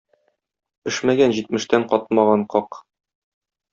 Пешмәгән җимештән катмаган как.